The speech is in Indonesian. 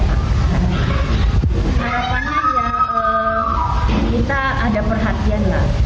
harapannya ya kita ada perhatian lah